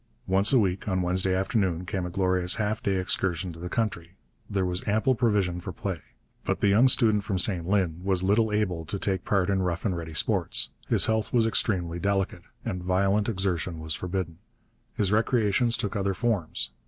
Once a week, on Wednesday afternoon, came a glorious half day excursion to the country. There was ample provision for play. But the young student from St Lin was little able to take part in rough and ready sports. His health was extremely delicate, and violent exertion was forbidden. His recreations took other forms.